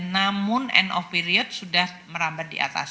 namun end of period sudah merambat di atas